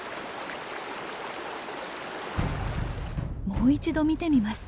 もう一度見てみます。